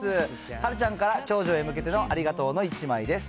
はるちゃんから、長女へ向けてのありがとうの１枚です。